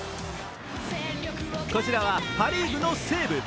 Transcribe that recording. こちらはパ・リーグの西武。